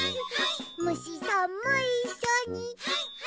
「むしさんもいっしょにハイ！